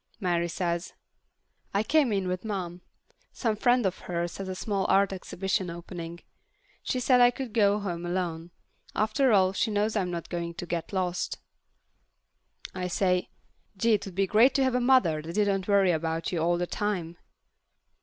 Mary says, "I came in with Mom. Some friend of hers has a small art exhibition opening. She said I could go home alone. After all, she knows I'm not going to get lost." I say, "Gee, it'd be great to have a mother that didn't worry about you all the time."